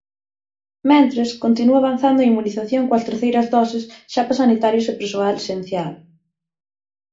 Mentres, continúa avanzando a inmunización coas terceiras doses xa para sanitarios e persoal esencial.